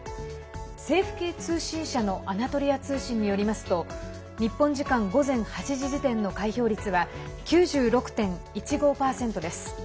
政府系通信社のアナトリア通信によりますと日本時間午前８時時点の開票率は９６．１５％です。